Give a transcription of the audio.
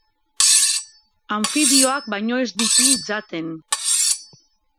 Anfibioak baino ez ditu jaten.